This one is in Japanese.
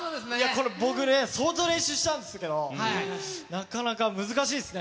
これ、僕ね、相当練習したんですけど、なかなか難しいですね。